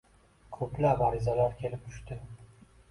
Ko'plab arizalar kelib tushdi.